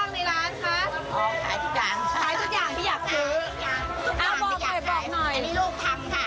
นี่แบบใหม่แบบใหม่